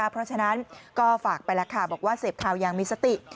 เพราะฉะนั้นก็ฝากไปแล้วค่ะบอกว่าเสพข่าวยังมีสติ